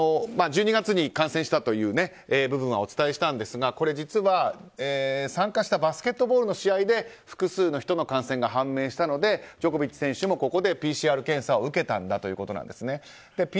１２月に感染したという部分はお伝えしたんですが実は、参加したバスケットボールの試合で複数の人の感染が判明したのでジョコビッチ選手もここでＰＣＲ検査を受けたということですね。